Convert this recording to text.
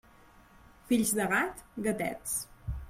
Fills de gat, gatets.